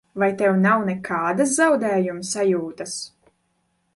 Vai tev nav nekādas zaudējuma sajūtas?